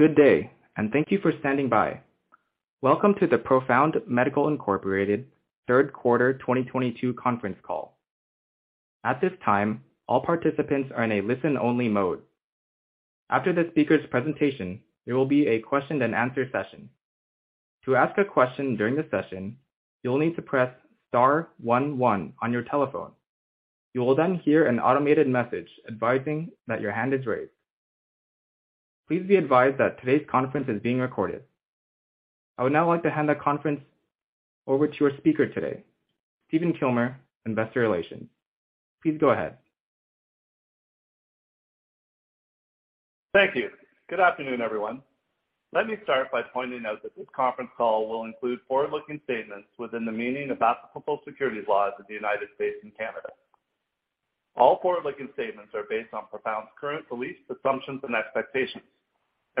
Good day, and thank you for standing by. Welcome to the Profound Medical Corp. Third Quarter 2022 Conference Call. At this time, all participants are in a listen-only mode. After the speaker's presentation, there will be a question and answer session. To ask a question during the session, you'll need to press star 1 1 on your telephone. You will then hear an automated message advising that your hand is raised. Please be advised that today's conference is being recorded. I would now like to hand the conference over to our speaker today, Stephen Kilmer, investor relations. Please go ahead. Thank you. Good afternoon, everyone. Let me start by pointing out that this conference call will include forward-looking statements within the meaning of applicable securities laws of the United States and Canada. All forward-looking statements are based on Profound Medical's current beliefs, assumptions, and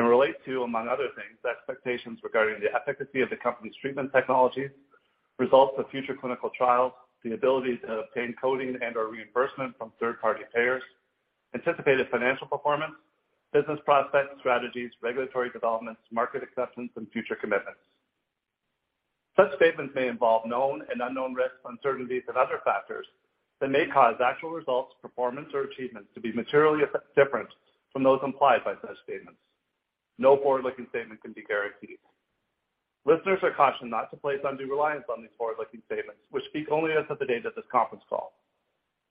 expectations and relate to, among other things, expectations regarding the efficacy of the company's treatment technologies, results of future clinical trials, the ability to obtain coding and/or reimbursement from third-party payers, anticipated financial performance, business prospects, strategies, regulatory developments, market acceptance, and future commitments. Such statements may involve known and unknown risks, uncertainties, and other factors that may cause actual results, performance, or achievements to be materially different from those implied by such statements. No forward-looking statement can be guaranteed. Listeners are cautioned not to place undue reliance on these forward-looking statements which speak only as of the date of this conference call.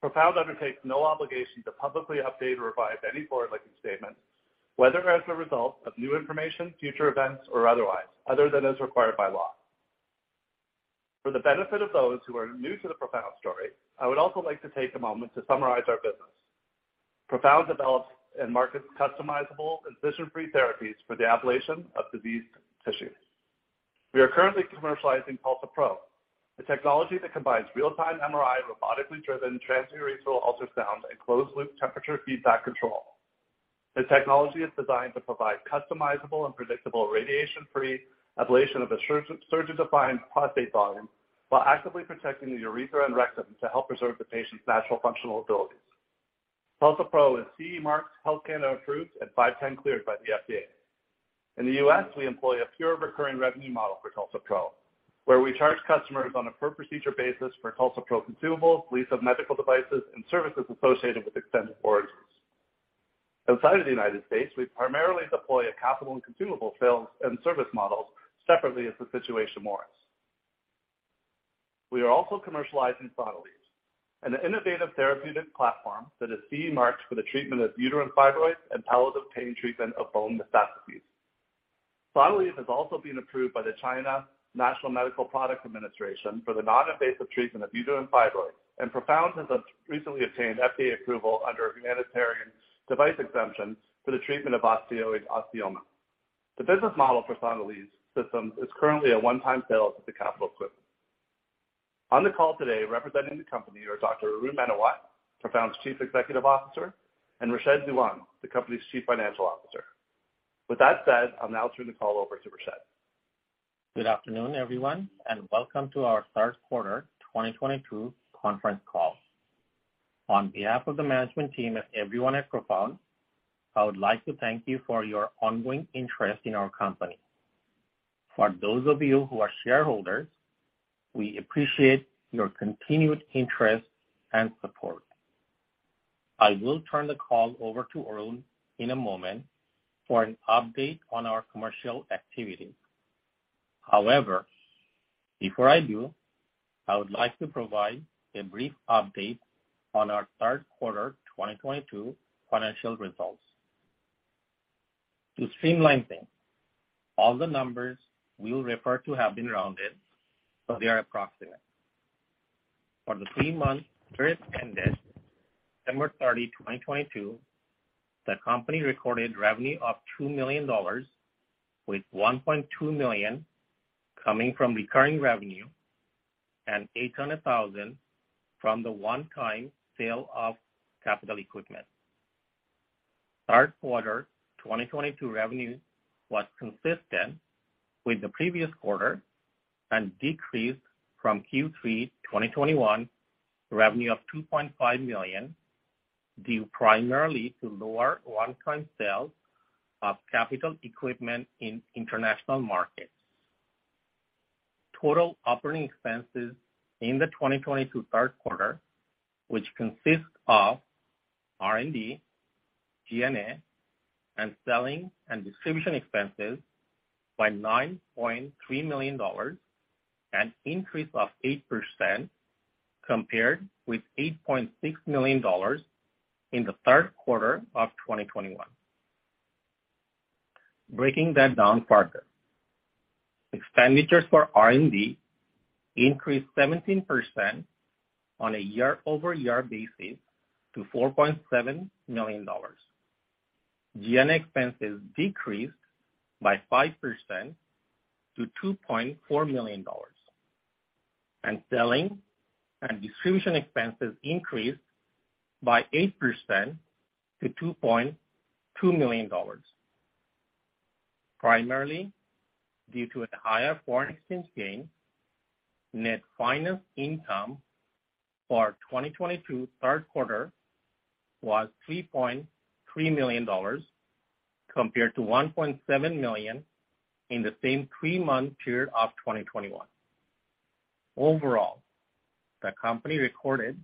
Profound undertakes no obligation to publicly update or revise any forward-looking statements, whether as a result of new information, future events, or otherwise, other than as required by law. For the benefit of those who are new to the Profound story, I would also like to take a moment to summarize our business. Profound develops and markets customizable incision-free therapies for the ablation of diseased tissues. We are currently commercializing TULSA-PRO, a technology that combines real-time MRI, robotically driven transurethral ultrasound, and closed-loop temperature feedback control. The technology is designed to provide customizable and predictable radiation-free ablation of the surgeon-defined prostate volume while actively protecting the urethra and rectum to help preserve the patient's natural functional abilities. TULSA-PRO is CE marked, Health Canada approved, and 510(k) cleared by the FDA. In the U.S., we employ a pure recurring revenue model for TULSA-PRO, where we charge customers on a per procedure basis for TULSA-PRO consumables, lease of medical devices, and services associated with extended warranties. Outside of the United States, we primarily deploy a capital and consumable sales and service model separately as the situation warrants. We are also commercializing Sonalleve, an innovative therapeutic platform that is CE marked for the treatment of uterine fibroids and palliative pain treatment of bone metastases. Sonalleve has also been approved by the National Medical Products Administration for the non-invasive treatment of uterine fibroids, and Profound Medical has recently obtained FDA approval under a humanitarian device exemption for the treatment of osteoid osteoma. The business model for Sonalleve systems is currently a one-time sale of the capital equipment. On the call today representing the company are Dr. Arun Menawat, Profound's Chief Executive Officer, and Rashed Dewan, the company's Chief Financial Officer. With that said, I'll now turn the call over to Rashed. Good afternoon, everyone, and welcome to our third quarter 2022 conference call. On behalf of the management team and everyone at Profound, I would like to thank you for your ongoing interest in our company. For those of you who are shareholders, we appreciate your continued interest and support. I will turn the call over to Arun in a moment for an update on our commercial activity. However, before I do, I would like to provide a brief update on our third quarter 2022 financial results. To streamline things, all the numbers we will refer to have been rounded, so they are approximate. For the three months period ended December 30, 2022, the company recorded revenue of 2 million dollars, with 1.2 million coming from recurring revenue and 800,000 from the one-time sale of capital equipment. Third quarter 2022 revenue was consistent with the previous quarter and decreased from Q3 2021 revenue of $2.5 million, due primarily to lower one-time sales of capital equipment in international markets. Total operating expenses in the 2022 third quarter, which consist of R&D, G&A, and selling and distribution expenses were $9.3 million, an increase of 8% compared with $8.6 million in the third quarter of 2021. Breaking that down further. Expenditures for R&D increased 17% on a year-over-year basis to $4.7 million. G&A expenses decreased by 5% to $2.4 million. Selling and distribution expenses increased by 8% to $2.2 million, primarily due to a higher foreign exchange gain. Net finance income for 2022 third quarter was $3.3 million compared to $1.7 million in the same three-month period of 2021. Overall, the company recorded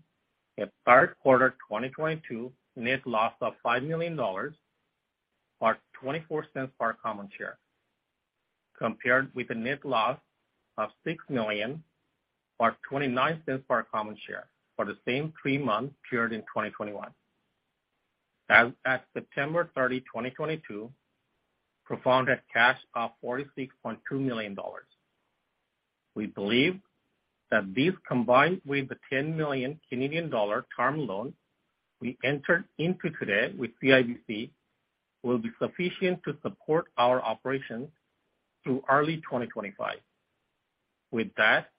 a third quarter 2022 net loss of $5 million, or $0.24 per common share, compared with a net loss of $6 million or $0.29 per common share for the same three-month period in 2021. At September 30, 2022, Profound had cash of $46.2 million. We believe that this, combined with the 10 million Canadian dollar term loan we entered into today with CIBC, will be sufficient to support our operations through early 2025. With that,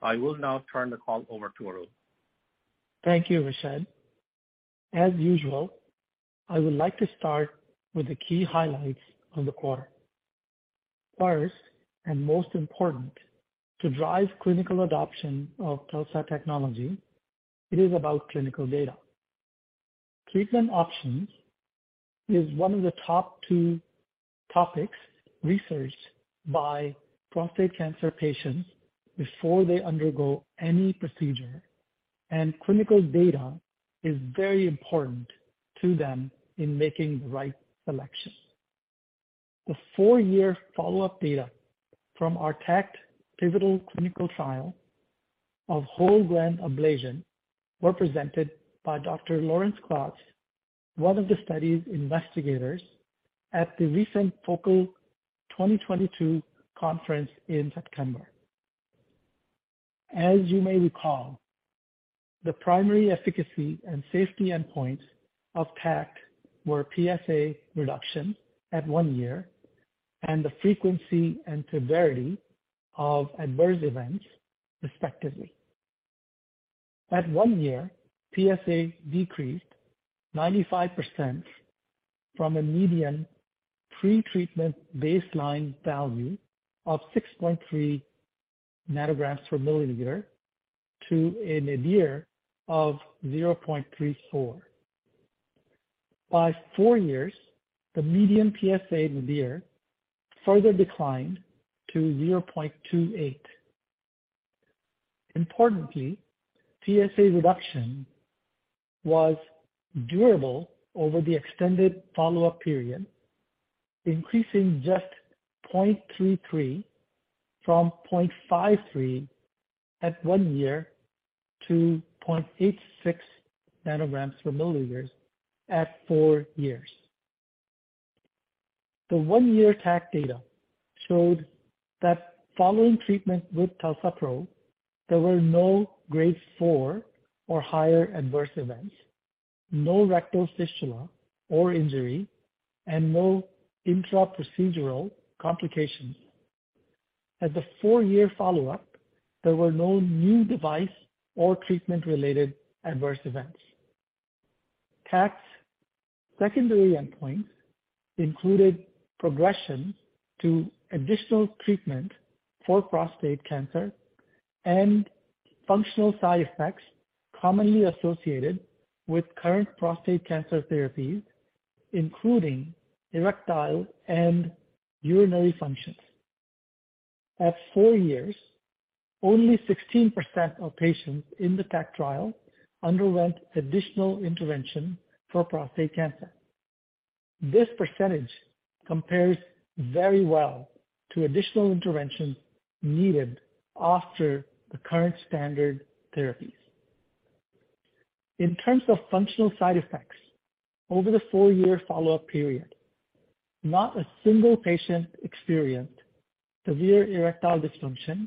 I will now turn the call over to Arun. Thank you, Rashed. As usual, I would like to start with the key highlights of the quarter. First, and most important, to drive clinical adoption of TULSA technology, it is about clinical data. Treatment options is one of the top two topics researched by prostate cancer patients before they undergo any procedure, and clinical data is very important to them in making the right selection. The four-year follow-up data from our TACT pivotal clinical trial of whole gland ablation were presented by Dr. Laurence Klotz, one of the study's investigators at the recent FOCAL 2022 conference in September. As you may recall, the primary efficacy and safety endpoints of TACT were PSA reduction at one year and the frequency and severity of adverse events, respectively. At one year, PSA decreased 95% from a median pretreatment baseline value of 6.3 nanograms per milliliter to a nadir of 0.34. By four years, the median PSA nadir further declined to 0.28. Importantly, PSA reduction was durable over the extended follow-up period, increasing just 0.33 from 0.53 at one year to 0.86 nanograms per milliliter at four years. The one-year TACT data showed that following treatment with TULSA-PRO, there were no grade 4 or higher adverse events, no rectal fistula or injury, and no intra-procedural complications. At the four-year follow-up, there were no new device or treatment-related adverse events. TACT's secondary endpoint included progression to additional treatment for prostate cancer and functional side effects commonly associated with current prostate cancer therapies, including erectile and urinary functions. At four years, only 16% of patients in the TACT trial underwent additional intervention for prostate cancer. This percentage compares very well to additional interventions needed after the current standard therapies. In terms of functional side effects over the four-year follow-up period, not a single patient experienced severe erectile dysfunction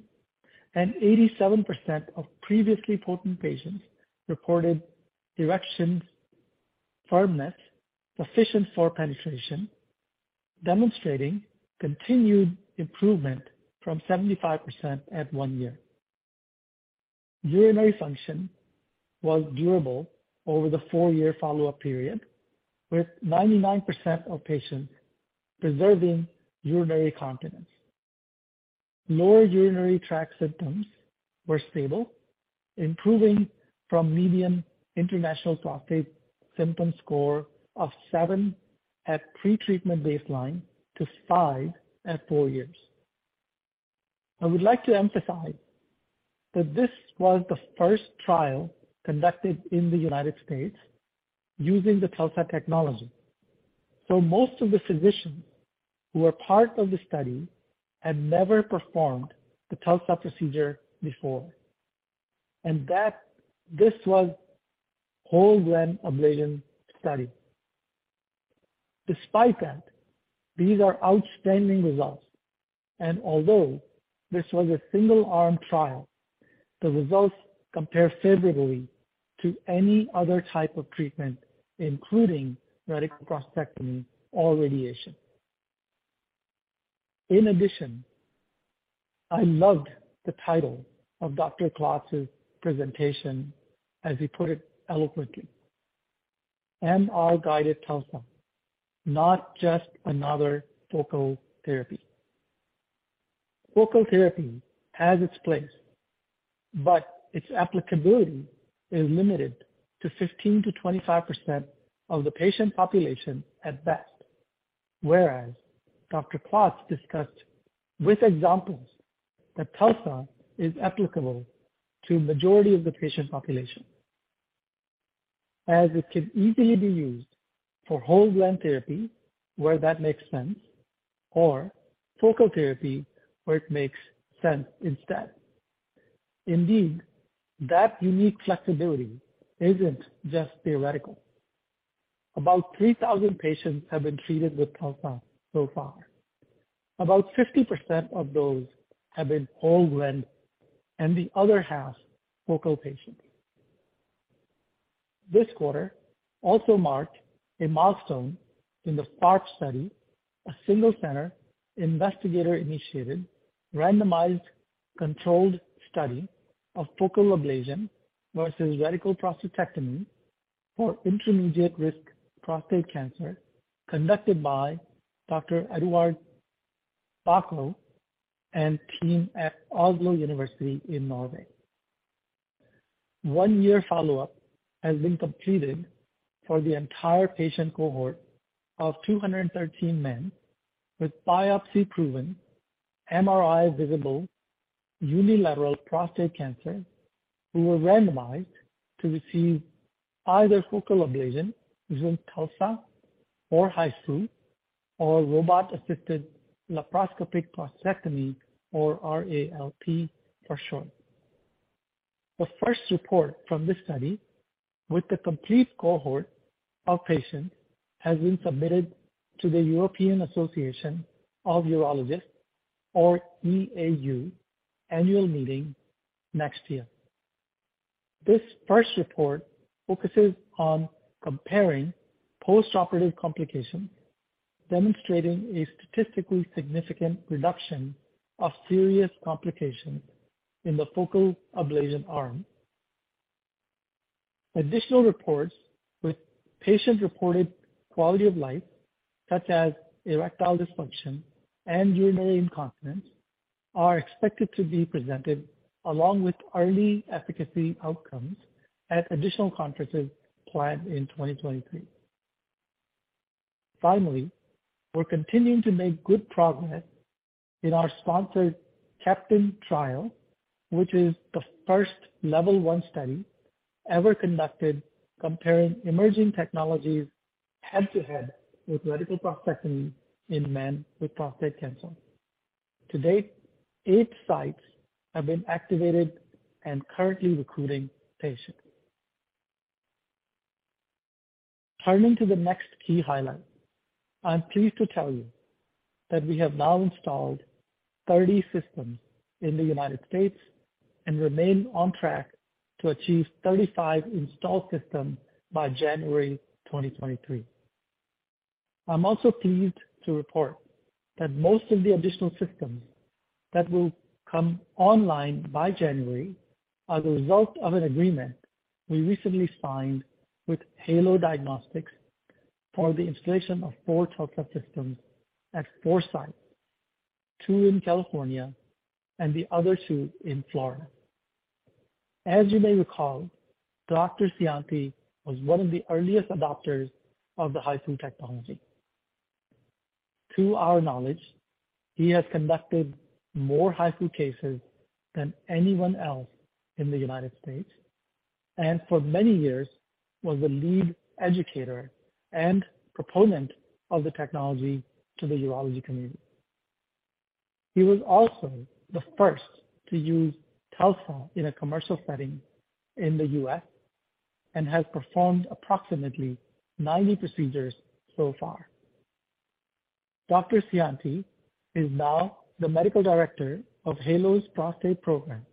and 87% of previously potent patients reported erections firmness sufficient for penetration, demonstrating continued improvement from 75% at one year. Urinary function was durable over the four-year follow-up period, with 99% of patients preserving urinary continence. Lower urinary tract symptoms were stable, improving from median international prostate symptom score of 7 at pretreatment baseline to 5 at four years. I would like to emphasize that this was the first trial conducted in the United States using the TULSA technology. Most of the physicians who were part of the study had never performed the TULSA procedure before, and that this was whole gland ablation study. Despite that, these are outstanding results, and although this was a single-arm trial, the results compare favorably to any other type of treatment, including radical prostatectomy or radiation. In addition, I loved the title of Dr. Klotz's presentation, as he put it eloquently. MR Guided TULSA, not just another focal therapy. Focal therapy has its place, but its applicability is limited to 15%-25% of the patient population at best. Whereas Dr. Klotz discussed with examples that TULSA is applicable to majority of the patient population, as it can easily be used for whole gland therapy where that makes sense, or focal therapy where it makes sense instead. Indeed, that unique flexibility isn't just theoretical. About 3,000 patients have been treated with TULSA so far. About 50% of those have been whole gland, and the other half focal patients. This quarter also marked a milestone in the SPARC study, a single center investigator-initiated randomized controlled study of focal ablation versus radical prostatectomy for intermediate-risk prostate cancer, conducted by Dr. Eduard Baco and team at University of Oslo in Norway. One-year follow-up has been completed for the entire patient cohort of 213 men with biopsy-proven MRI visible unilateral prostate cancer, who were randomized to receive either focal ablation using TULSA or HIFU or robot-assisted laparoscopic prostatectomy, or RALP for short. The first report from this study with the complete cohort of patients has been submitted to the European Association of Urology, or EAU annual meeting next year. This first report focuses on comparing postoperative complications, demonstrating a statistically significant reduction of serious complications in the focal ablation arm. Additional reports with patient-reported quality of life, such as erectile dysfunction and urinary incontinence, are expected to be presented along with early efficacy outcomes at additional conferences planned in 2023. Finally, we're continuing to make good progress in our sponsored CAPTAIN trial, which is the first Level 1 study ever conducted comparing emerging technologies head-to-head with radical prostatectomy in men with prostate cancer. To date, eight sites have been activated and currently recruiting patients. Turning to the next key highlight. I'm pleased to tell you that we have now installed 30 systems in the United States and remain on track to achieve 35 installed systems by January 2023. I'm also pleased to report that most of the additional systems that will come online by January are the result of an agreement we recently signed with HALO Diagnostics for the installation of four TULSA systems at four sites, two in California and the other two in Florida. As you may recall, Dr. Scionti was one of the earliest adopters of the HIFU technology. To our knowledge, he has conducted more HIFU cases than anyone else in the United States, and for many years was the lead educator and proponent of the technology to the urology community. He was also the first to use TULSA in a commercial setting in the U.S. and has performed approximately 90 procedures so far. Dr. Scionti is now the medical director of HALO's prostate program,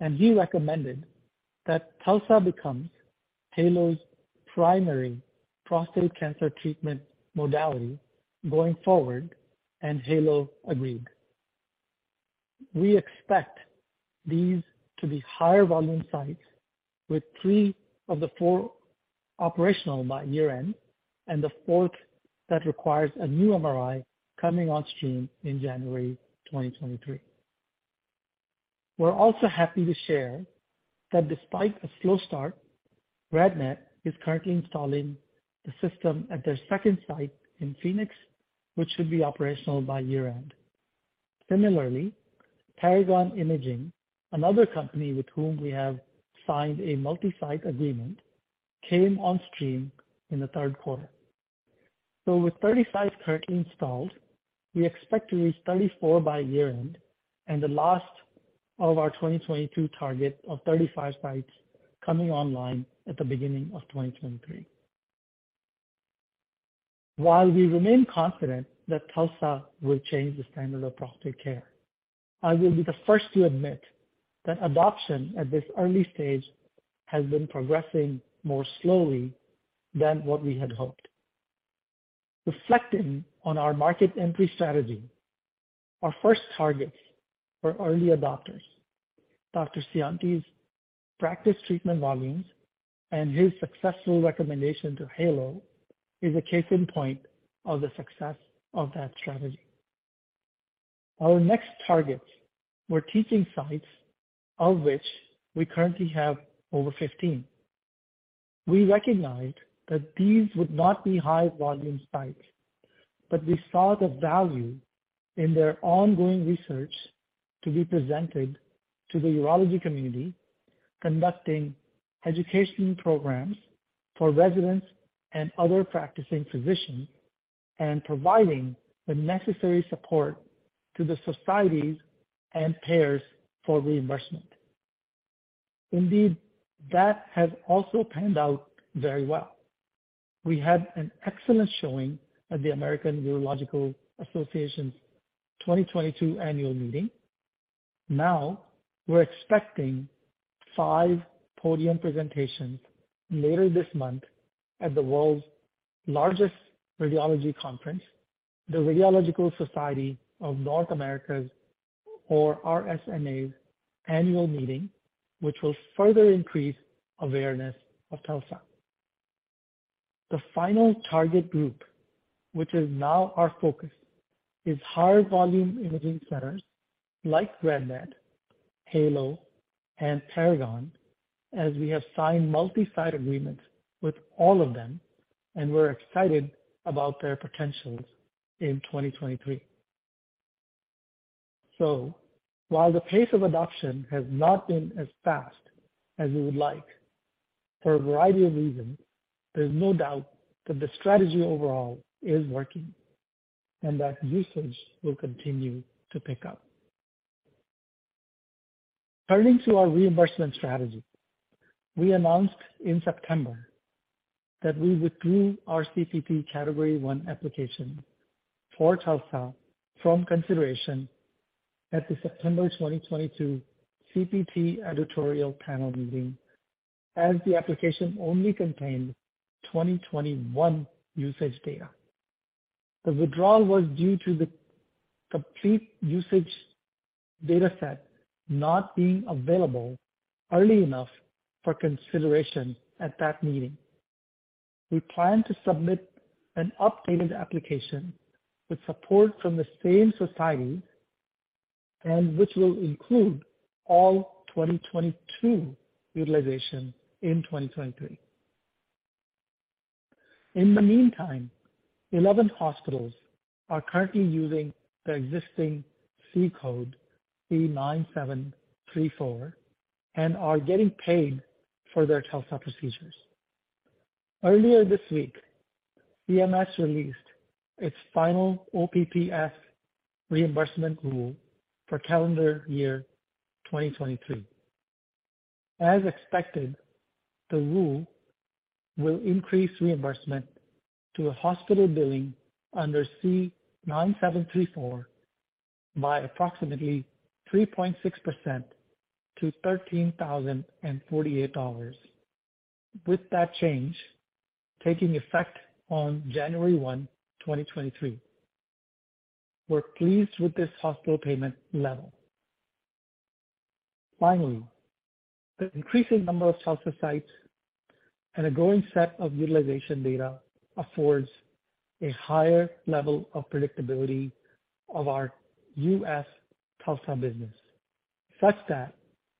and he recommended that TULSA becomes HALO's primary prostate cancer treatment modality going forward, and HALO agreed. We expect these to be higher volume sites with 3 of the 4 operational by year-end, and the fourth that requires a new MRI coming on stream in January 2023. We're also happy to share that despite a slow start, RadNet is currently installing the system at their second site in Phoenix, which should be operational by year-end. Similarly, Paragon Imaging, another company with whom we have signed a multi-site agreement, came on stream in the third quarter. With 35 currently installed, we expect to reach 34 by year-end and the last of our 2022 target of 35 sites coming online at the beginning of 2023. While we remain confident that TULSA will change the standard of prostate care, I will be the first to admit that adoption at this early stage has been progressing more slowly than what we had hoped. Reflecting on our market entry strategy, our first targets were early adopters. Dr. Scionti's practice treatment volumes and his successful recommendation to HALO is a case in point of the success of that strategy. Our next targets were teaching sites, of which we currently have over 15. We recognized that these would not be high volume sites, but we saw the value in their ongoing research to be presented to the urology community, conducting education programs for residents and other practicing physicians, and providing the necessary support to the societies and payers for reimbursement. Indeed, that has also panned out very well. We had an excellent showing at the American Urological Association's 2022 annual meeting. Now we're expecting five podium presentations later this month at the world's largest radiology conference, the Radiological Society of North America's, or RSNA's, annual meeting, which will further increase awareness of TULSA. The final target group, which is now our focus, is higher volume imaging centers like RadNet, HALO, and Paragon, as we have signed multi-site agreements with all of them, and we're excited about their potentials in 2023. While the pace of adoption has not been as fast as we would like, for a variety of reasons, there's no doubt that the strategy overall is working and that usage will continue to pick up. Turning to our reimbursement strategy. We announced in September that we withdrew our CPT Category I application for TULSA from consideration at the September 2022 CPT editorial panel meeting, as the application only contained 2021 usage data. The withdrawal was due to the complete usage data set not being available early enough for consideration at that meeting. We plan to submit an updated application with support from the same society and which will include all 2022 utilization in 2023. In the meantime, 11 hospitals are currently using the existing C-code C9734 and are getting paid for their TULSA procedures. Earlier this week, CMS released its final OPPS reimbursement rule for calendar year 2023. As expected, the rule will increase reimbursement to a hospital billing under C9734 by approximately 3.6% to $13,048, with that change taking effect on January 1, 2023. We're pleased with this hospital payment level. Finally, the increasing number of TULSA sites and a growing set of utilization data affords a higher level of predictability of our U.S. TULSA business, such that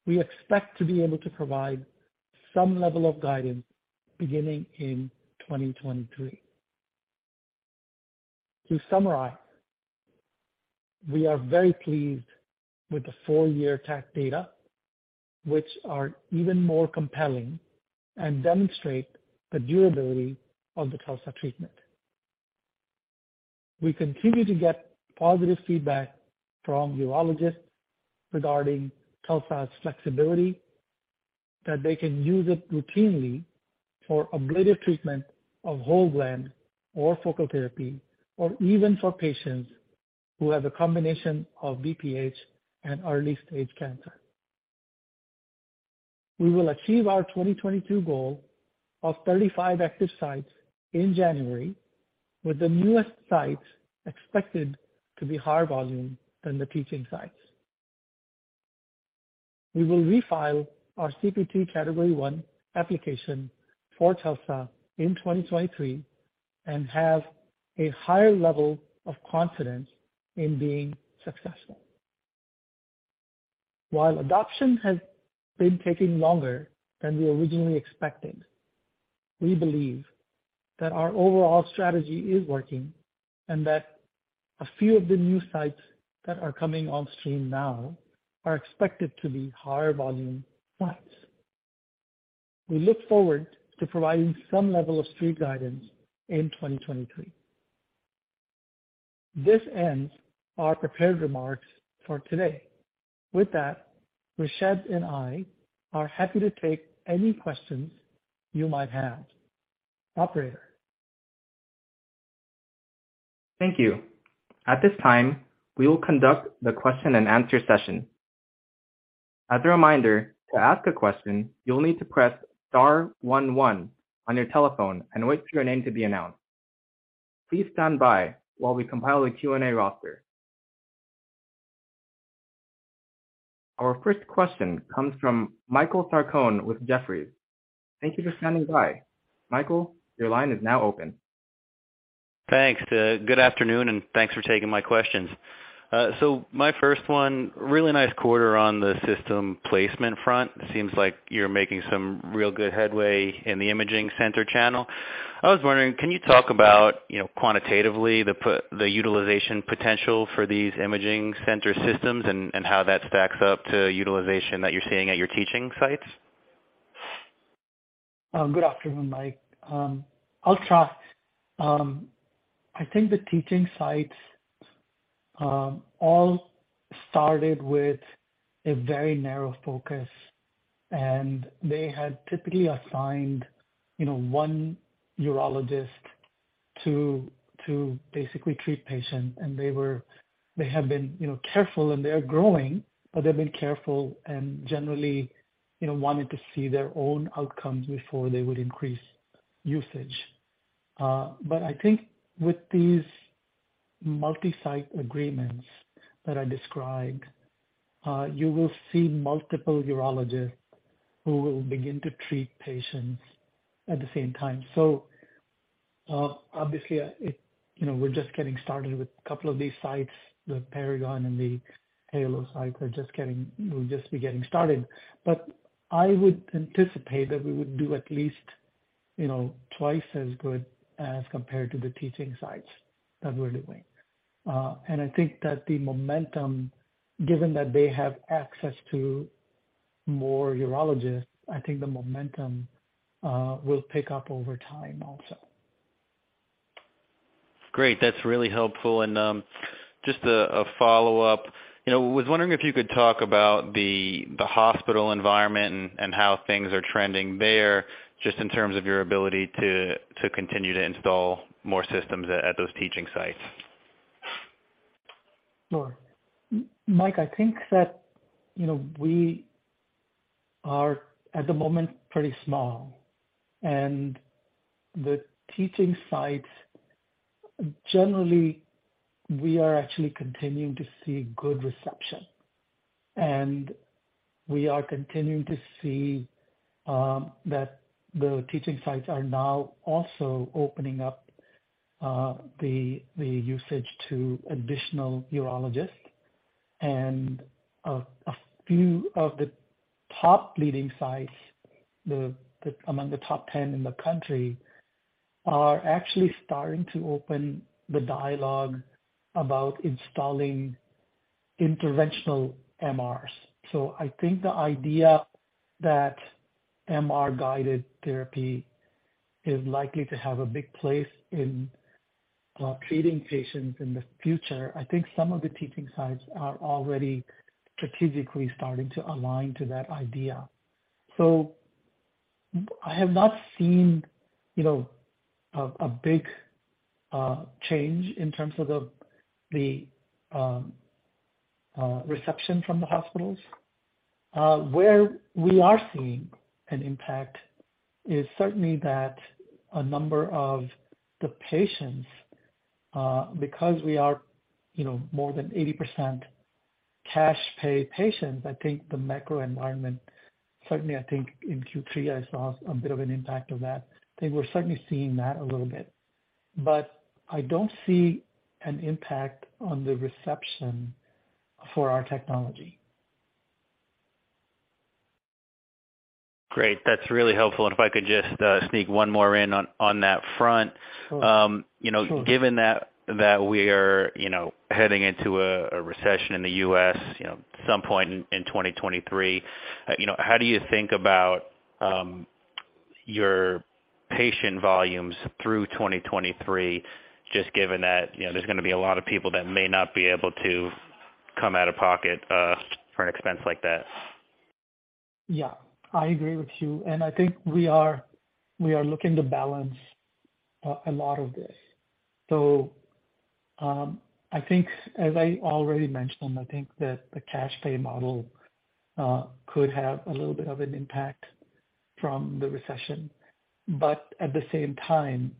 we expect to be able to provide some level of guidance beginning in 2023. To summarize, we are very pleased with the four-year TACT data, which are even more compelling and demonstrate the durability of the TULSA treatment. We continue to get positive feedback from urologists regarding TULSA's flexibility, that they can use it routinely for ablative treatment of whole gland or focal therapy, or even for patients who have a combination of BPH and early-stage cancer. We will achieve our 2022 goal of 35 active sites in January, with the newest sites expected to be higher volume than the teaching sites. We will refile our CPT Category I application for TULSA in 2023 and have a higher level of confidence in being successful. While adoption has been taking longer than we originally expected, we believe that our overall strategy is working and that a few of the new sites that are coming on stream now are expected to be higher volume sites. We look forward to providing some level of street guidance in 2023. This ends our prepared remarks for today. With that, Rashed and I are happy to take any questions you might have. Operator. Thank you. At this time, we will conduct the question and answer session. As a reminder, to ask a question, you'll need to press star 1 1 on your telephone and wait for your name to be announced. Please stand by while we compile the Q&A roster. Our first question comes from Michael Sarcone with Jefferies. Thank you for standing by. Michael, your line is now open. Thanks. Good afternoon, and thanks for taking my questions. My first one, really nice quarter on the system placement front. It seems like you're making some real good headway in the imaging center channel. I was wondering, can you talk about, you know, quantitatively the utilization potential for these imaging center systems and how that stacks up to utilization that you're seeing at your teaching sites? Good afternoon, Mike. I just think the teaching sites all started with a very narrow focus, and they had typically assigned, you know, one urologist to basically treat patients. They have been, you know, careful, and they are growing, but they've been careful and generally, you know, wanted to see their own outcomes before they would increase usage. I think with these multi-site agreements that I described, you will see multiple urologists who will begin to treat patients at the same time. Obviously, it, you know, we're just getting started with a couple of these sites. The Paragon and the HALO site we'll just be getting started. I would anticipate that we would do at least, you know, twice as good as compared to the teaching sites that we're doing. I think that the momentum, given that they have access to more urologists, will pick up over time also. Great. That's really helpful. Just a follow-up. You know, was wondering if you could talk about the hospital environment and how things are trending there, just in terms of your ability to continue to install more systems at those teaching sites? Sure. Mike, I think that, you know, we are, at the moment, pretty small. The teaching sites, generally, we are actually continuing to see good reception. We are continuing to see that the teaching sites are now also opening up the usage to additional urologists. A few of the top leading sites among the top 10 in the country are actually starting to open the dialogue about installing interventional MRs. I think the idea that MR-guided therapy is likely to have a big place in treating patients in the future. I think some of the teaching sites are already strategically starting to align to that idea. I have not seen, you know, a big change in terms of the reception from the hospitals. Where we are seeing an impact is certainly that a number of the patients, because we are, you know, more than 80% cash-pay patients, I think the macro environment, certainly I think in Q3, I saw a bit of an impact of that. I think we're certainly seeing that a little bit. I don't see an impact on the reception for our technology. Great. That's really helpful. If I could just sneak one more in on that front. Sure. You know. Sure. Given that we are, you know, heading into a recession in the U.S., you know, some point in 2023, you know, how do you think about your patient volumes through 2023 just given that, you know, there's gonna be a lot of people that may not be able to come out of pocket for an expense like that? Yeah, I agree with you, and I think we are looking to balance a lot of this. I think as I already mentioned, I think that the cash pay model could have a little bit of an impact from the recession. At the same time,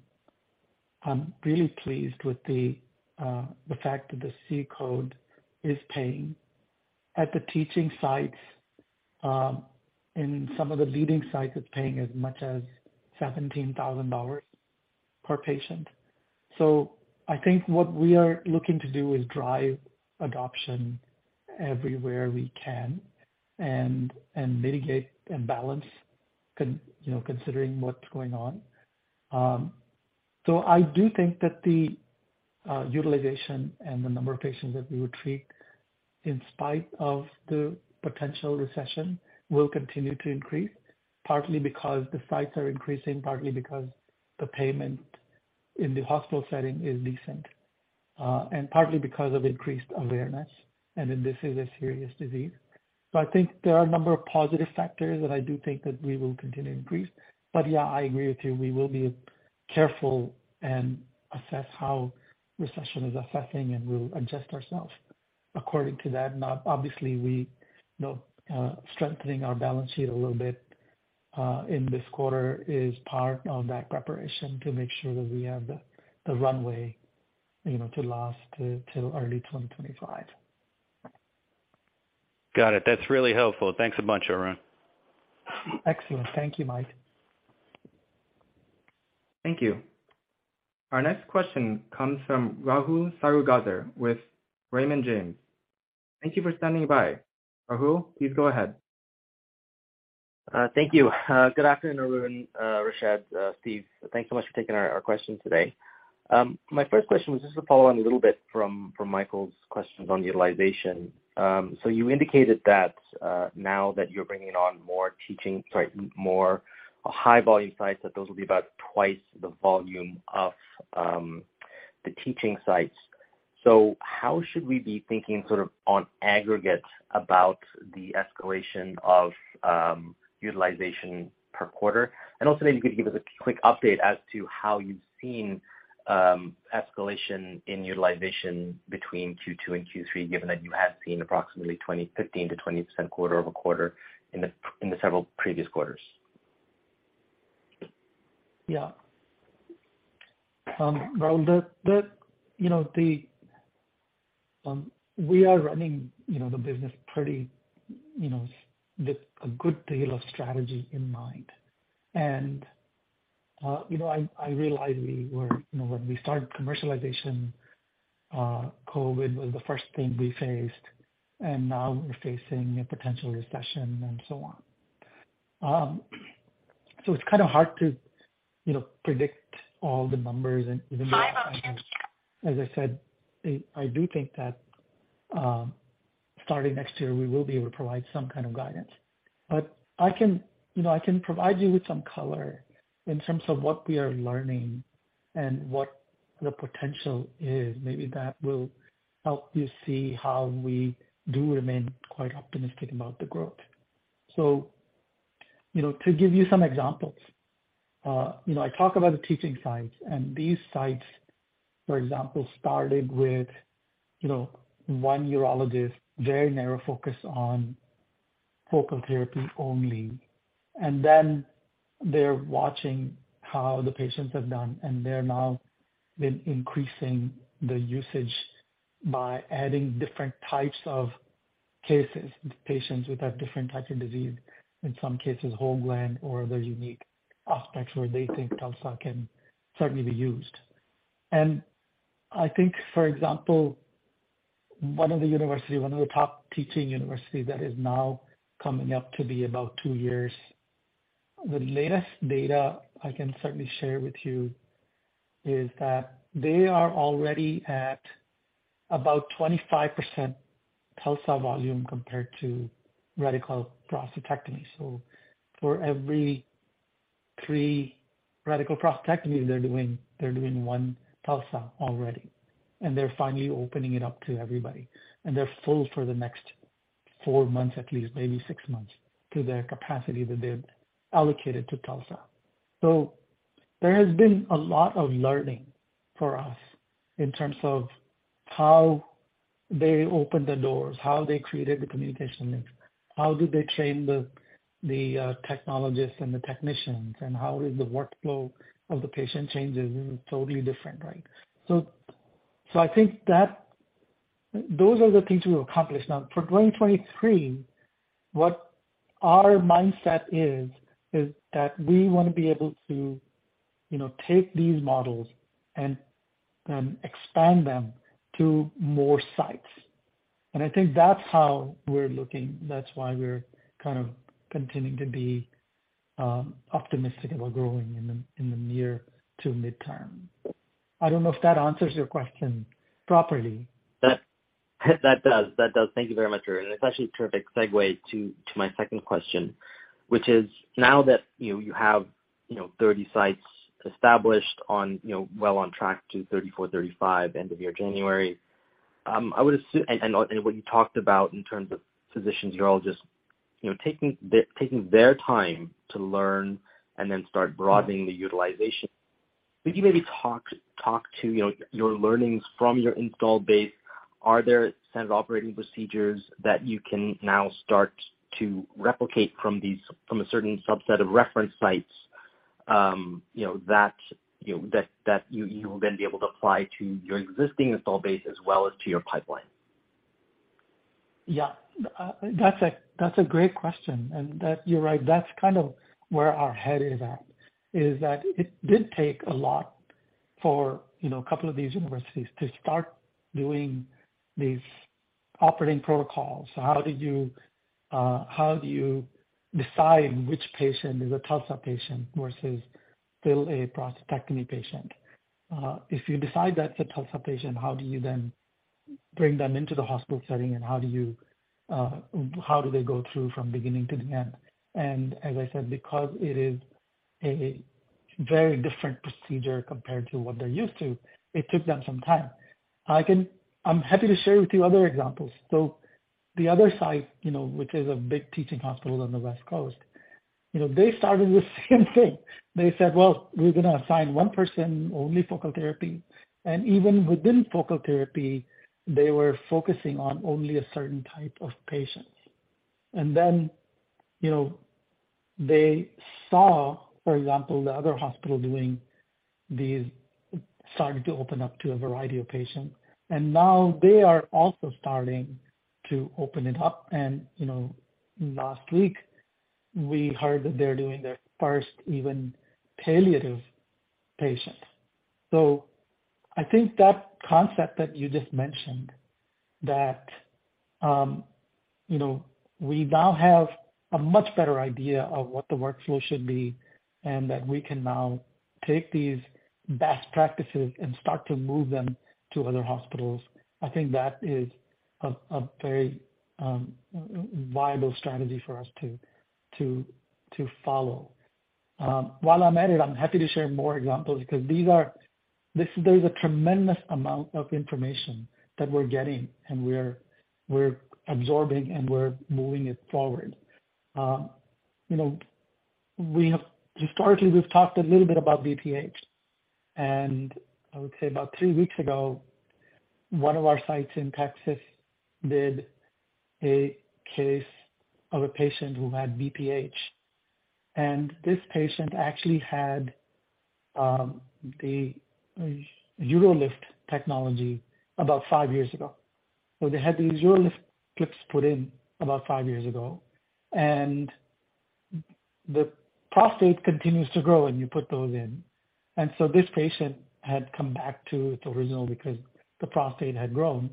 I'm really pleased with the fact that the C-code is paying. At the teaching sites, in some of the leading sites, it's paying as much as $17,000 per patient. I think what we are looking to do is drive adoption everywhere we can and mitigate and balance, you know, considering what's going on. I do think that the utilization and the number of patients that we would treat in spite of the potential recession will continue to increase, partly because the sites are increasing, partly because the payment in the hospital setting is decent, and partly because of increased awareness and that this is a serious disease. I think there are a number of positive factors, and I do think that we will continue to increase. Yeah, I agree with you. We will be careful and assess how recession is affecting, and we'll adjust ourselves according to that. Now, obviously, we you know strengthening our balance sheet a little bit in this quarter is part of that preparation to make sure that we have the runway you know to last till early 2025. Got it. That's really helpful. Thanks a bunch, Arun. Excellent. Thank you, Mike. Thank you. Our next question comes from Rahul Sarugaser with Raymond James. Thank you for standing by. Rahul, please go ahead. Thank you. Good afternoon, Arun, Rashed, Stephen. Thanks so much for taking our question today. My first question was just to follow on a little bit from Michael's questions on utilization. You indicated that now that you're bringing on more high volume sites, those will be about twice the volume of the teaching sites. How should we be thinking sort of on aggregate about the escalation of utilization per quarter? Maybe you could give us a quick update as to how you've seen escalation in utilization between Q2 and Q3, given that you have seen approximately 15%-20% quarter-over-quarter in the several previous quarters. Yeah. Well, you know, we are running, you know, the business pretty, you know, with a good deal of strategy in mind. You know, I realize we were, you know, when we started commercialization, COVID was the first thing we faced, and now we're facing a potential recession and so on. It's kind of hard to, you know, predict all the numbers. As I said, I do think that, starting next year we will be able to provide some kind of guidance. I can, you know, provide you with some color in terms of what we are learning and what the potential is. Maybe that will help you see how we do remain quite optimistic about the growth. You know, to give you some examples, you know, I talk about the teaching sites, and these sites, for example, started with, you know, one urologist, very narrow focus on focal therapy only. They're watching how the patients have done, and they're now been increasing the usage by adding different types of cases, patients with that different types of disease, in some cases, whole gland or other unique aspects where they think TULSA can certainly be used. I think, for example, one of the top teaching university that is now coming up to be about two years, the latest data I can certainly share with you is that they are already at about 25% TULSA volume compared to radical prostatectomy. For every three radical prostatectomy they're doing, they're doing one TULSA already. They're finally opening it up to everybody. They're full for the next four months at least, maybe six months, to their capacity that they've allocated to TULSA. There has been a lot of learning for us in terms of how they opened the doors, how they created the communication link, how did they train the technologists and the technicians, and how is the workflow of the patient changes is totally different, right? I think that those are the things we've accomplished. Now, for 2023, what our mindset is that we wanna be able to, you know, take these models and expand them to more sites. I think that's how we're looking, that's why we're kind of continuing to be optimistic about growing in the near to midterm. I don't know if that answers your question properly. That does. Thank you very much, Arun. It's actually a terrific segue to my second question, which is, now that you know, you have you know, 30 sites established on, you know, well on track to 34, 35 end of year January. What you talked about in terms of physicians, urologists, you know, taking their time to learn and then start broadening the utilization. Could you maybe talk to you know, your learnings from your install base? Are there standard operating procedures that you can now start to replicate from these, from a certain subset of reference sites that you'll then be able to apply to your existing install base as well as to your pipeline? Yeah. That's a great question. You're right. That's kind of where our head is at, is that it did take a lot for a couple of these universities to start doing these operating protocols. How do you decide which patient is a TULSA patient versus still a prostatectomy patient? If you decide that's a TULSA patient, how do you then bring them into the hospital setting? How do they go through from beginning to the end? As I said, because it is a very different procedure compared to what they're used to, it took them some time. I can. I'm happy to share with you other examples. The other site, which is a big teaching hospital on the West Coast, they started the same thing. They said, "Well, we're gonna assign one person only focal therapy." Even within focal therapy, they were focusing on only a certain type of patients. Then, you know, they saw, for example, the other hospital doing these, starting to open up to a variety of patients. Now they are also starting to open it up and, you know, last week we heard that they're doing their first even palliative patient. I think that concept that you just mentioned, that, you know, we now have a much better idea of what the workflow should be and that we can now take these best practices and start to move them to other hospitals. I think that is a very viable strategy for us to follow. While I'm at it, I'm happy to share more examples because these are. This is a tremendous amount of information that we're getting and we're absorbing and we're moving it forward. Historically, we've talked a little bit about BPH. I would say about three weeks ago, one of our sites in Texas did a case of a patient who had BPH. This patient actually had the UroLift technology about five years ago. They had the UroLift clips put in about five years ago. The prostate continues to grow when you put those in. This patient had come back to the original because the prostate had grown.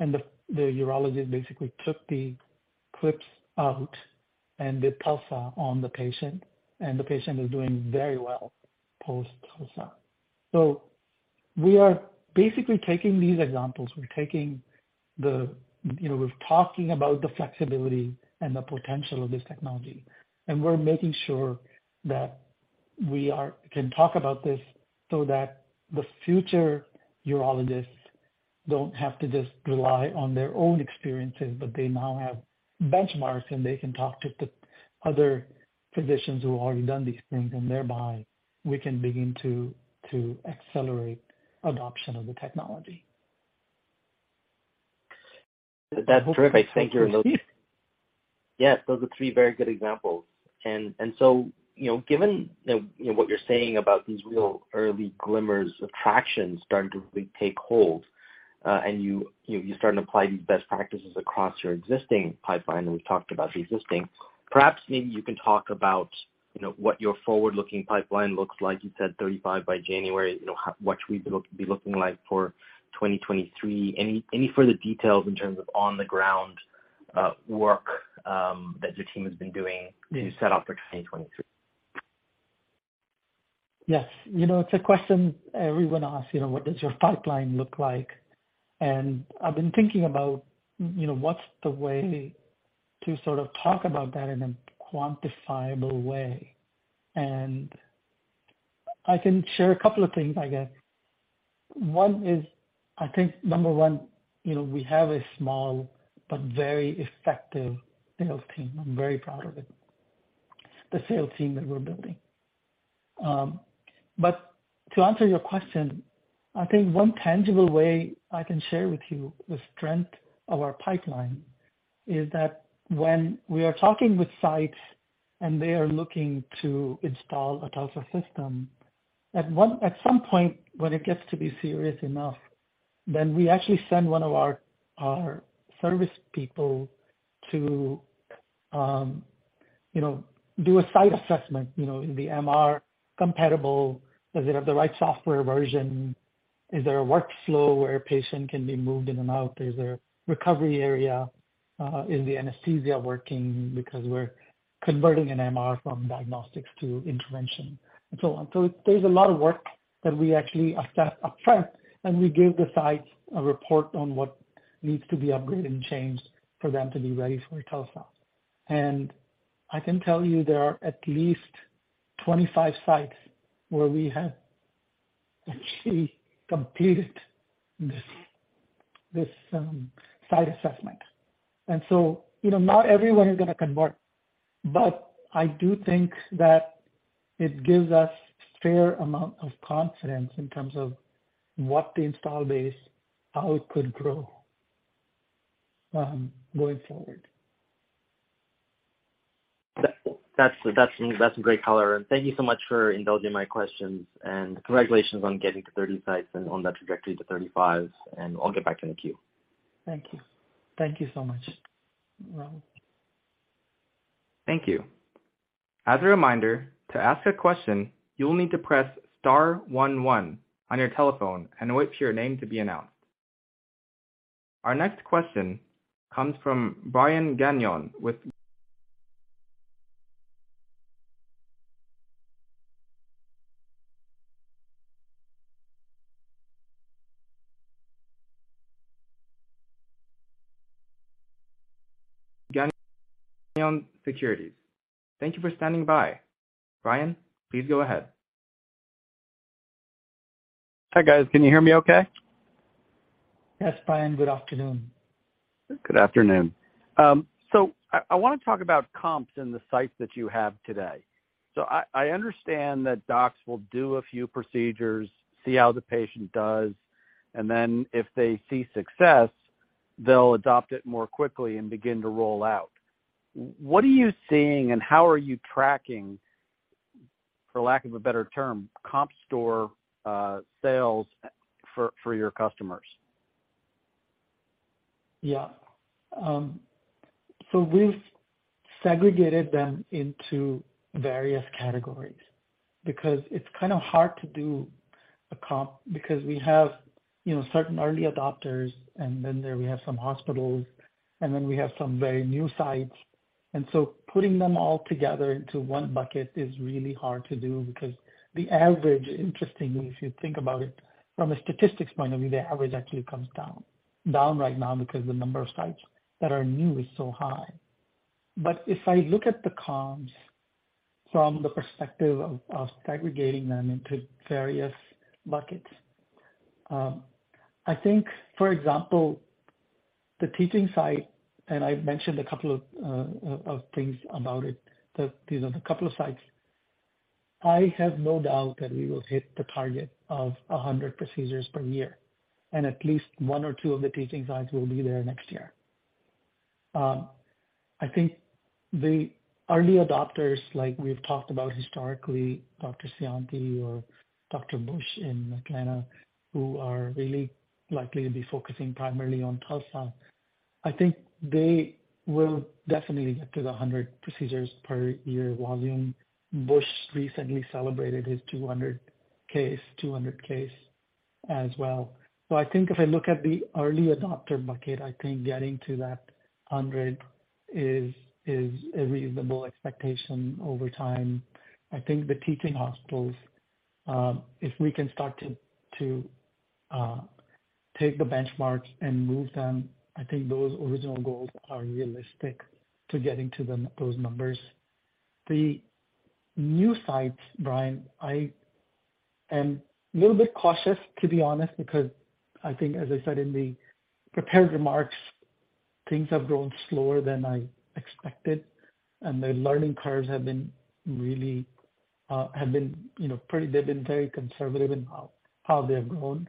The urologist basically took the clips out and did TULSA on the patient, and the patient is doing very well post TULSA. We are basically taking these examples, you know, talking about the flexibility and the potential of this technology. We're making sure that we can talk about this so that the future urologists don't have to just rely on their own experiences, but they now have benchmarks, and they can talk to the other physicians who have already done these things, and thereby we can begin to accelerate adoption of the technology. That's perfect. Thank you. Yes, those are three very good examples. You know, given what you're saying about these real early glimmers of traction starting to really take hold, and you starting to apply these best practices across your existing pipeline, and we've talked about the existing. Perhaps maybe you can talk about, you know, what your forward-looking pipeline looks like. You said 35 by January, you know, what should we be looking like for 2023. Any further details in terms of on the ground work that your team has been doing to set up for 2023? Yes. You know, it's a question everyone asks, you know, what does your pipeline look like? I've been thinking about, you know, what's the way to sort of talk about that in a quantifiable way. I can share a couple of things, I guess. One is, I think number one, you know, we have a small but very effective sales team. I'm very proud of it, the sales team that we're building. But to answer your question, I think one tangible way I can share with you the strength of our pipeline is that when we are talking with sites and they are looking to install a TULSA system, at some point, when it gets to be serious enough, then we actually send one of our service people to, you know, do a site assessment. You know, is the MR compatible? Do they have the right software version? Is there a workflow where a patient can be moved in and out? Is there a recovery area? Is the anesthesia working, because we're converting an MR from diagnostics to intervention and so on. There's a lot of work that we actually assess upfront, and we give the sites a report on what needs to be upgraded and changed for them to be ready for a TULSA. I can tell you there are at least 25 sites where we have actually completed this site assessment. You know, not everyone is gonna convert, but I do think that it gives us fair amount of confidence in terms of what the install base, how it could grow, going forward. That's a great color. Thank you so much for indulging my questions, and congratulations on getting to 30 sites and on that trajectory to 35, and I'll get back in the queue. Thank you. Thank you so much, Rahul. Thank you. As a reminder, to ask a question, you will need to press star 1 1 on your telephone and wait for your name to be announced. Our next question comes from Brian Gagnon with Gagnon Securities. Thank you for standing by. Brian, please go ahead. Hi, guys. Can you hear me okay? Yes, Brian. Good afternoon. Good afternoon. I wanna talk about comps in the sites that you have today. I understand that docs will do a few procedures, see how the patient does, and then if they see success, they'll adopt it more quickly and begin to roll out. What are you seeing and how are you tracking, for lack of a better term, comp store sales for your customers? Yeah. We've segregated them into various categories because it's kinda hard to do a comp because we have, you know, certain early adopters, and then there we have some hospitals, and then we have some very new sites. Putting them all together into one bucket is really hard to do because the average, interestingly, if you think about it from a statistics point of view, the average actually comes down right now because the number of sites that are new is so high. If I look at the comps from the perspective of segregating them into various buckets, I think for example, the teaching site, and I've mentioned a couple of things about it, that these are the couple of sites. I have no doubt that we will hit the target of 100 procedures per year, and at least one or two of the teaching sites will be there next year. I think the early adopters, like we've talked about historically, Dr. Scionti or Dr. Busch in Atlanta, who are really likely to be focusing primarily on TULSA, I think they will definitely get to the 100 procedures per year volume. Busch recently celebrated his 200 case as well. I think if I look at the early adopter bucket, I think getting to that 100 is a reasonable expectation over time. I think the teaching hospitals, if we can start to take the benchmarks and move them, I think those original goals are realistic to getting to them, those numbers. The new sites, Brian, I am a little bit cautious, to be honest, because I think as I said in the prepared remarks, things have grown slower than I expected, and the learning curves have been really, you know, pretty. They've been very conservative in how they have grown.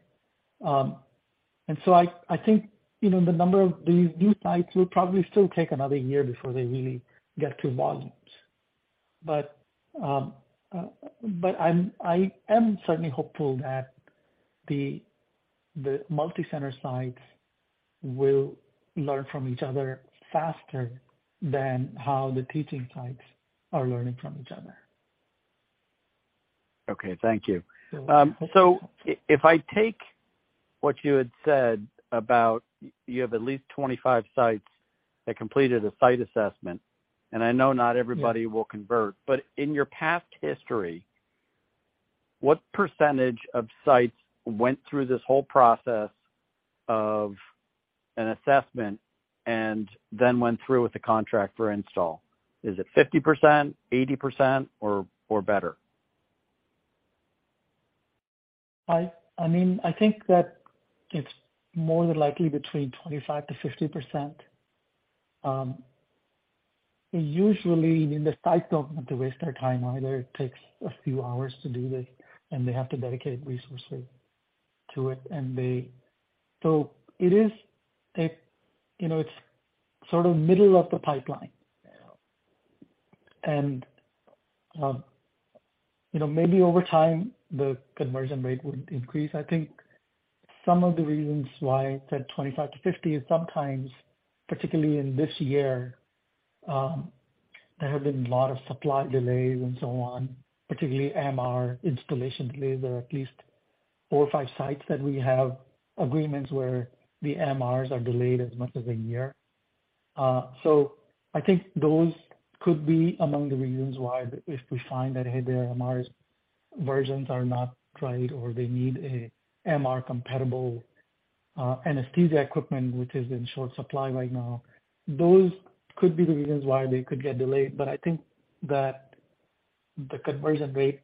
I think, you know, the number of these new sites will probably still take another year before they really get to volumes. But I'm certainly hopeful that the multi-center sites will learn from each other faster than how the teaching sites are learning from each other. Okay. Thank you. You're welcome. If I take what you had said about you have at least 25 sites that completed a site assessment, and I know not everybody. Yeah. In your past history, what percentage of sites went through this whole process of an assessment and then went through with the contract for install? Is it 50%, 80% or better? I mean, I think that it's more than likely between 25%-50%. Usually, I mean, the sites don't want to waste their time either. It takes a few hours to do this, and they have to dedicate resources to it. It is a, you know, it's sort of middle of the pipeline. You know, maybe over time the conversion rate would increase. I think some of the reasons why I said 25%-50% is sometimes, particularly in this year, there have been a lot of supply delays and so on, particularly MR installation delays. There are at least four or five sites that we have agreements where the MRs are delayed as much as a year. I think those could be among the reasons why, if we find that, hey, their MRI versions are not right or they need a MRI compatible anesthesia equipment which is in short supply right now, those could be the reasons why they could get delayed. I think that the conversion rate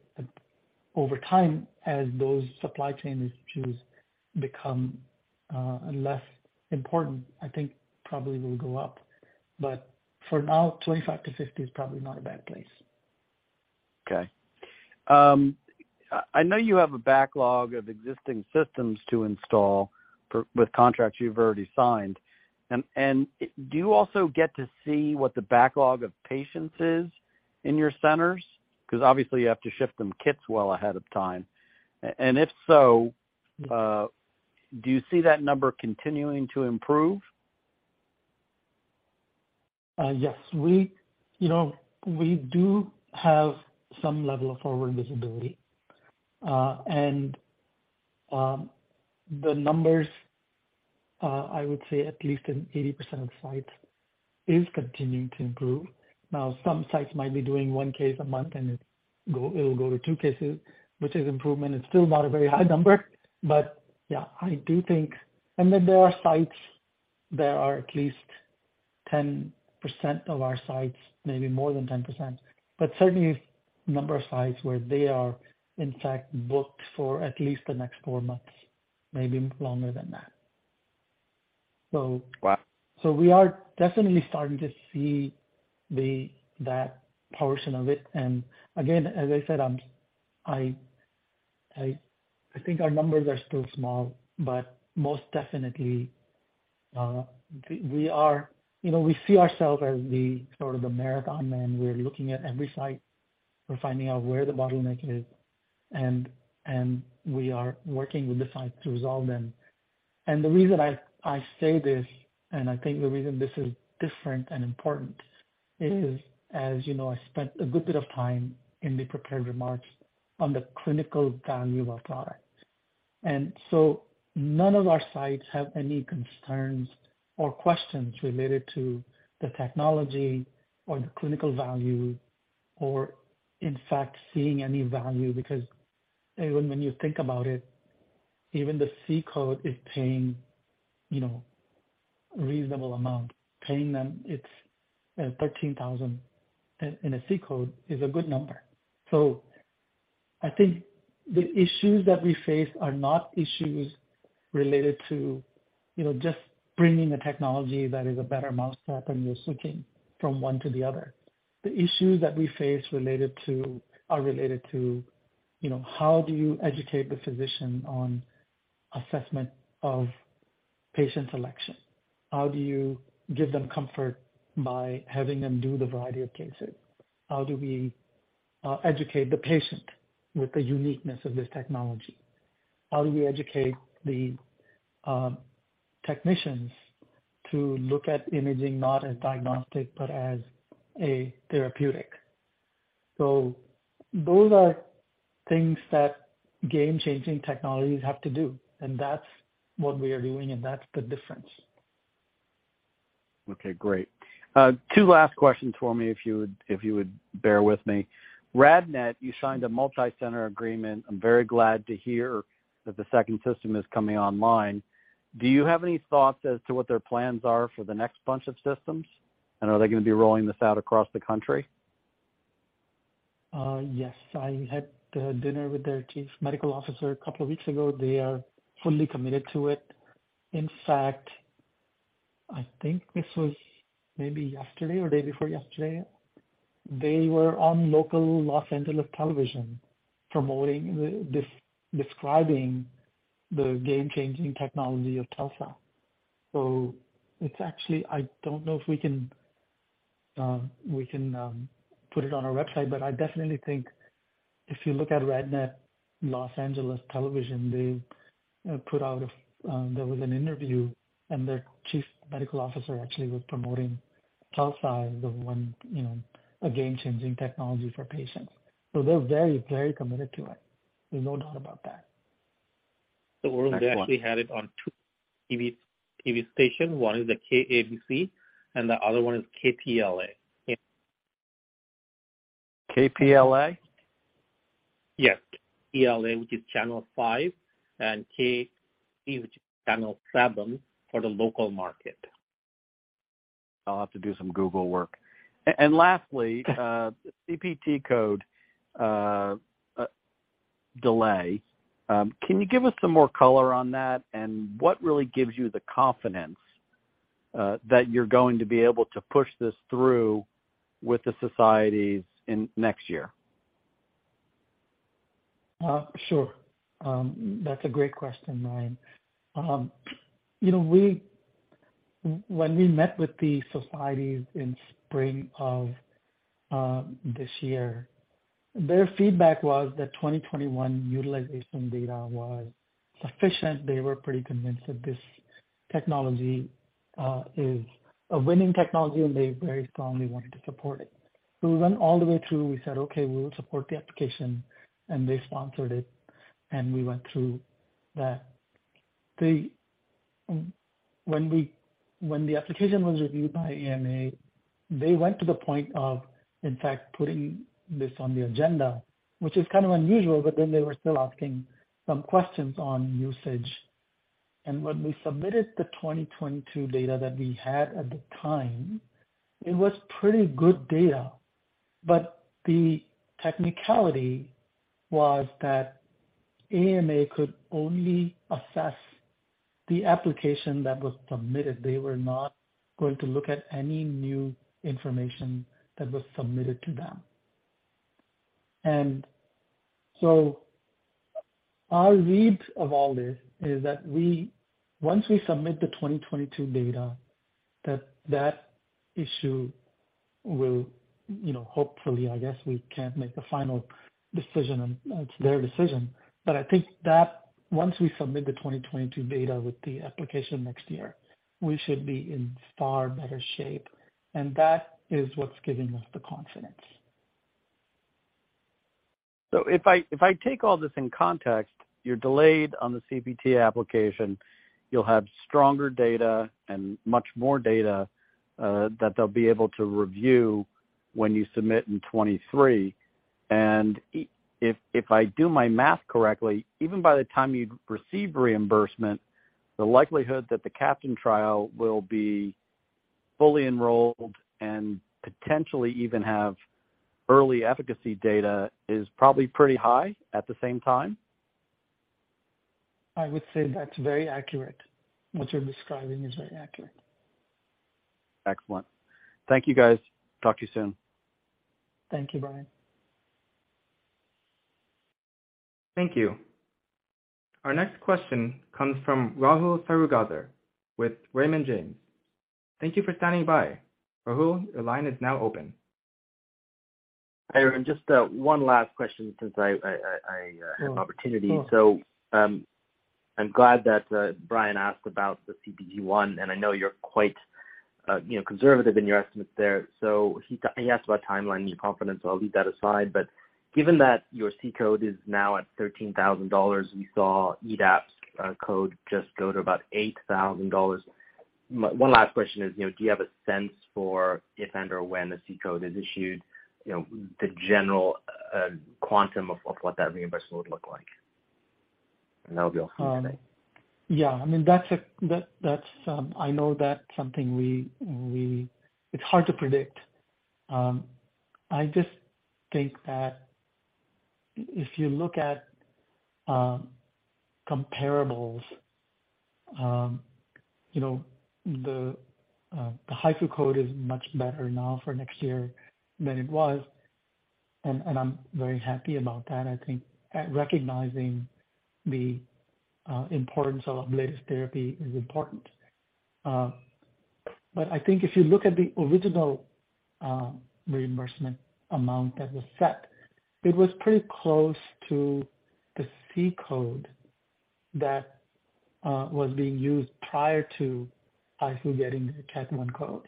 over time as those supply chain issues become less important, I think probably will go up. For now, 25%-50% is probably not a bad place. Okay. I know you have a backlog of existing systems to install for, with contracts you've already signed. Do you also get to see what the backlog of patients is in your centers? 'Cause obviously you have to ship them kits well ahead of time. If so, do you see that number continuing to improve? Yes. We, you know, we do have some level of forward visibility. The numbers, I would say at least in 80% of the sites is continuing to improve. Now, some sites might be doing one case a month, and it'll go to two cases, which is improvement. It's still not a very high number. Yeah, I do think. Then there are sites that are at least 10% of our sites, maybe more than 10%, but certainly number of sites where they are in fact booked for at least the next four months, maybe longer than that. Wow. We are definitely starting to see that portion of it. Again, as I said, I think our numbers are still small, but most definitely, we are, you know, we see ourselves as the sort of the marathon, and we're looking at every site. We're finding out where the bottleneck is, and we are working with the site to resolve them. The reason I say this, and I think the reason this is different and important is, as you know, I spent a good bit of time in the prepared remarks on the clinical value of our product. None of our sites have any concerns or questions related to the technology or the clinical value, or in fact seeing any value. Because even when you think about it, even the C-code is paying, you know, reasonable amount, paying them. It's $13,000 in a C-code is a good number. I think the issues that we face are not issues related to, you know, just bringing a technology that is a better mousetrap, and you're switching from one to the other. The issues that we face are related to, you know, how do you educate the physician on assessment of patient selection? How do you give them comfort by having them do the variety of cases? How do we educate the patient with the uniqueness of this technology? How do we educate the technicians to look at imaging not as diagnostic but as a therapeutic? Those are things that game-changing technologies have to do, and that's what we are doing, and that's the difference. Okay, great. Two last questions for me, if you would bear with me. RadNet, you signed a multi-center agreement. I'm very glad to hear that the second system is coming online. Do you have any thoughts as to what their plans are for the next bunch of systems? Are they gonna be rolling this out across the country? Yes. I had dinner with their chief medical officer a couple of weeks ago. They are fully committed to it. In fact, I think this was maybe yesterday or day before yesterday. They were on local Los Angeles television promoting, describing the game-changing technology of TULSA. It's actually. I don't know if we can put it on our website. I definitely think if you look at RadNet Los Angeles television, they put out. There was an interview, and their chief medical officer actually was promoting TULSA as the one, you know, a game-changing technology for patients. They're very, very committed to it. There's no doubt about that. Next one. We actually had it on two TV stations. One is the KABC, and the other one is KTLA. KTLA? Yes. KTLA, which is channel 5, and KABC, which is channel 7 for the local market. I'll have to do some Google work. Lastly, CPT code delay. Can you give us some more color on that? What really gives you the confidence that you're going to be able to push this through with the societies in next year? That's a great question, Brian. You know, when we met with the societies in spring of this year, their feedback was that 2021 utilization data was sufficient. They were pretty convinced that this technology is a winning technology, and they very strongly wanted to support it. We went all the way through. We said, okay, we'll support the application. They sponsored it, and we went through that. When the application was reviewed by AMA, they went to the point of putting this on the agenda, which is kind of unusual, but then they were still asking some questions on usage. When we submitted the 2022 data that we had at the time, it was pretty good data. The technicality was that AMA could only assess the application that was submitted. They were not going to look at any new information that was submitted to them. Our read of all this is that once we submit the 2022 data, that issue will, you know, hopefully, I guess we can't make the final decision on. It's their decision. I think that once we submit the 2022 data with the application next year, we should be in far better shape. That is what's giving us the confidence. If I take all this in context, you're delayed on the CPT application. You'll have stronger data and much more data that they'll be able to review when you submit in 2023. If I do my math correctly, even by the time you receive reimbursement, the likelihood that the CAPTAIN trial will be fully enrolled and potentially even have early efficacy data is probably pretty high at the same time? I would say that's very accurate. What you're describing is very accurate. Excellent. Thank you, guys. Talk to you soon. Thank you, Brian. Thank you. Our next question comes from Rahul Sarugaser with Raymond James. Thank you for standing by. Rahul, your line is now open. Hi, Arun. Just one last question since I have an opportunity. I'm glad that Brian asked about the CPT one, and I know you're quite you know, conservative in your estimates there. He asked about timeline and your confidence, so I'll leave that aside. Given that your C-code is now at $13,000, we saw EDAP's code just go to about $8,000. One last question is, you know, do you have a sense for if and/or when the C-code is issued, you know, the general quantum of what that reimbursement would look like? That'll be all for today. Yeah. I mean, that's something we... It's hard to predict. I just think that if you look at comparables, you know, the HIFU code is much better now for next year than it was, and I'm very happy about that. I think recognizing the importance of ablative therapy is important. But I think if you look at the original reimbursement amount that was set, it was pretty close to the C-code that was being used prior to HIFU getting the Category I code.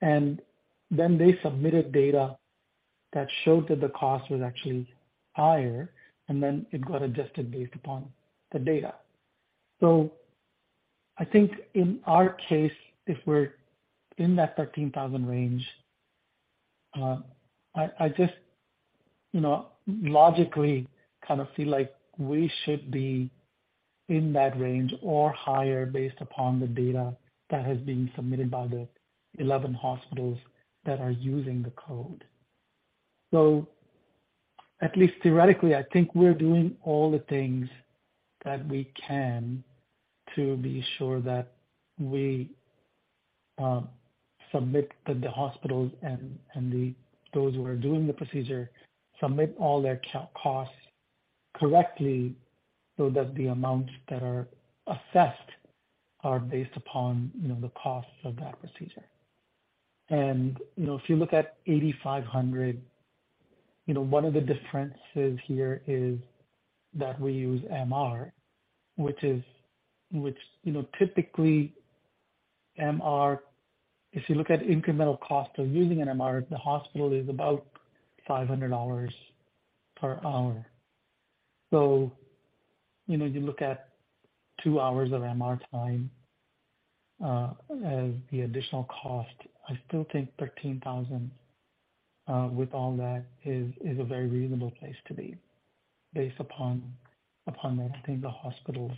Then they submitted data that showed that the cost was actually higher, and then it got adjusted based upon the data. I think in our case, if we're in that $13,000 range, I just, you know, logically kind of feel like we should be in that range or higher based upon the data that has been submitted by the 11 hospitals that are using the code. At least theoretically, I think we're doing all the things that we can to be sure that we submit to the hospitals and those who are doing the procedure submit all their costs correctly so that the amounts that are assessed are based upon, you know, the costs of that procedure. You know, if you look at 8,500, you know, one of the differences here is that we use MR, which is, you know, typically MR, if you look at incremental cost of using an MR at the hospital is about $500 per hour. You know, you look at two hours of MR time as the additional cost. I still think 13,000 with all that is a very reasonable place to be based upon that. I think the hospitals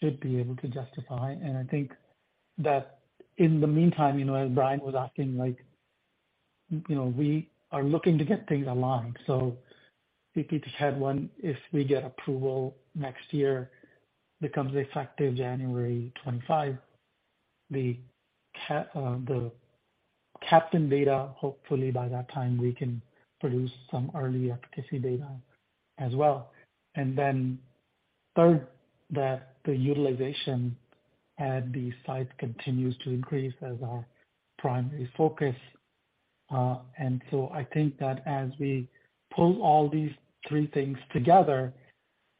should be able to justify. I think that in the meantime, you know, as Brian was asking, like, you know, we are looking to get things aligned. If we just had one, if we get approval next year, becomes effective January 2025. The CAPTAIN data, hopefully by that time we can produce some early efficacy data as well. Third, that the utilization at the site continues to increase as our primary focus. I think that as we pull all these three things together,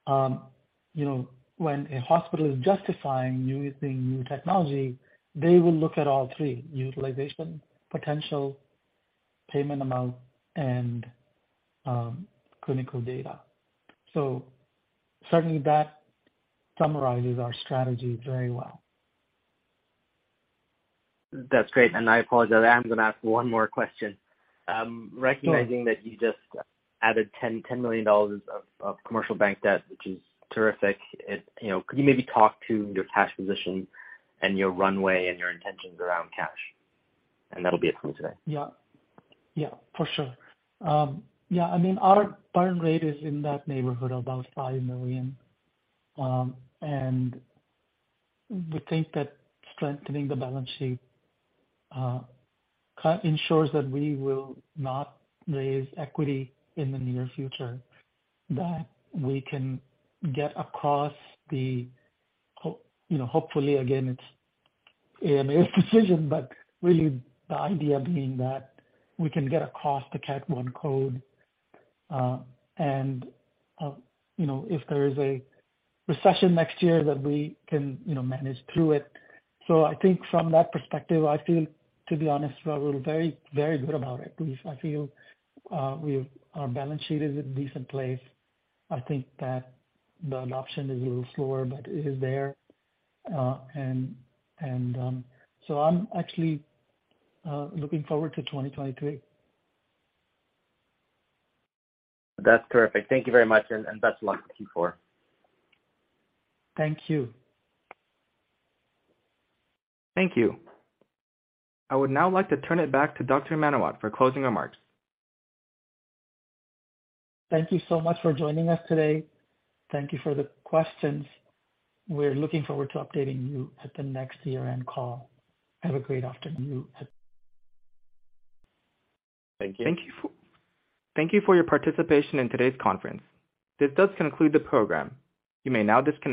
you know, when a hospital is justifying using new technology, they will look at all three, utilization, potential payment amount, and clinical data. Certainly that summarizes our strategy very well. That's great. I apologize, I am gonna ask one more question. Sure. Recognizing that you just added $10 million of commercial bank debt, which is terrific. You know, could you maybe talk to your cash position and your runway and your intentions around cash? That'll be it for me today. Yeah. Yeah, for sure. Yeah, I mean, our burn rate is in that neighborhood of about 5 million. We think that strengthening the balance sheet now ensures that we will not raise equity in the near future. That we can get across the hump, you know, hopefully again, it's AMA's decision, but really the idea being that we can get across the Category I code. You know, if there is a recession next year that we can, you know, manage through it. I think from that perspective, I feel, to be honest, Rahul, very, very good about it. I feel, we've our balance sheet is in a decent place. I think that the adoption is a little slower, but it is there. I'm actually looking forward to 2023. That's terrific. Thank you very much, and best of luck with Q4. Thank you. Thank you. I would now like to turn it back to Dr. Arun Menawat for closing remarks. Thank you so much for joining us today. Thank you for the questions. We're looking forward to updating you at the next year-end call. Have a great afternoon, everyone. Thank you. Thank you for your participation in today's conference. This does conclude the program. You may now disconnect.